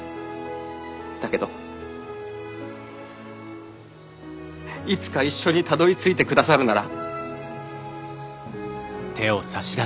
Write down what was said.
だけどいつか一緒にたどりついてくださるなら。